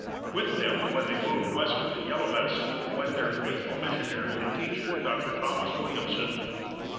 With them, when they moved westward to Yellow Medicine, went their faithful missionary and teacher, Doctor Thomas Williamson.